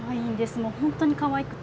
もう本当にかわいくて。